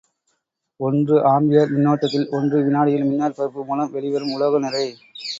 ஒன்று ஆம்பியர் மின்னோட்டத்தில் ஒன்று வினாடியில் மின்னாற்பகுப்பு மூலம் வெளிவரும் உலோக நிறை.